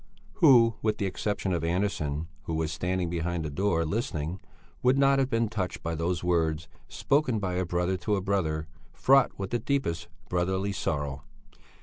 Who, with the exception of Andersson, who was standing behind the door, listening, would not have been touched by those words, spoken by a brother to a brother, fraught with the deepest brotherly sorrow?